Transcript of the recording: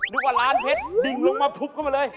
ว่าร้านเพชรดิ่งลงมาทุบเข้ามาเลย